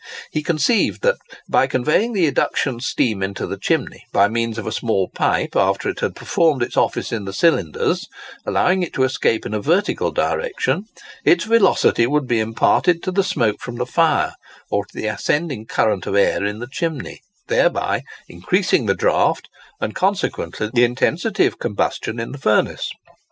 He conceived that, by conveying the eduction steam into the chimney, by means of a small pipe, after it had performed its office in the cylinders, allowing it to escape in a vertical direction, its velocity would be imparted to the smoke from the fire, or to the ascending current of air in the chimney, thereby increasing the draft, and consequently the intensity of combustion in the furnace.